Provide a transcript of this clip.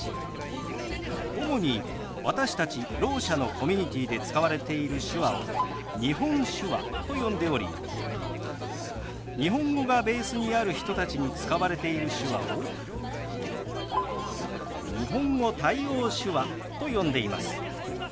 主に私たちろう者のコミュニティーで使われている手話を日本手話と呼んでおり日本語がベースにある人たちに使われている手話を日本語対応手話と呼んでいます。